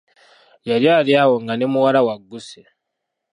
Yali ali awo nga ne muwala we agusse.